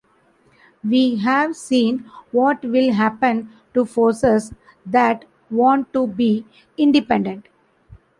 We have seen what will happen to forces that want to be independent.